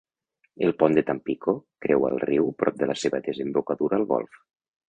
El pont de Tampico creua el riu prop de la seva desembocadura al golf.